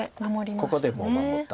ここでも守った。